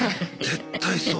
絶対そう。